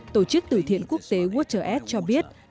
tổ chức tử thiện quốc tế wateredge cho biết